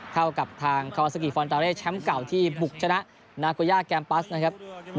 เท่ากับทางคอซากิฟอนตาเร่แชมป์เก่าที่บุกชนะนาโกย่าแกมปัสนะครับ